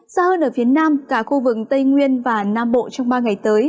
xa hơn ở phía nam cả khu vực tây nguyên và nam bộ trong ba ngày tới